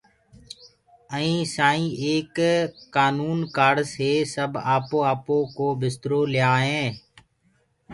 ائينٚ سائينٚ ايڪ ڪآنونٚ ڪآڙَسي ڪي سب آپو آپو بِسترو ليآئينٚ